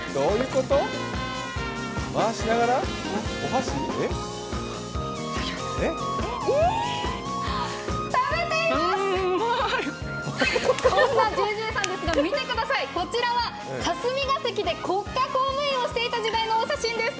こんなＪＪさんですが、見てください、こちらは霞が関で国家公務員をしていた時代のお写真です。